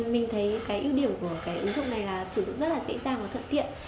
mình thấy cái ưu điểm của cái ứng dụng này là sử dụng rất là dễ dàng và thuận tiện